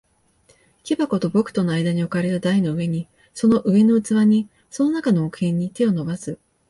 木箱と僕との間に置かれた台の上に、その上の器に、その中の木片に、手を伸ばす。